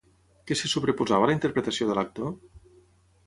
Què se sobreposava a la interpretació de l'actor?